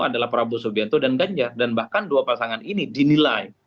adalah prabowo subianto dan ganjar dan bahkan dua pasangan ini dinilai